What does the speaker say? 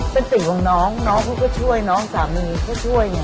เป็นสิ่งของน้องน้องเขาก็ช่วยน้องสามีก็ช่วยไง